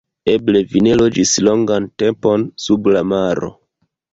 Eble vi ne loĝis longan tempon sub la maro.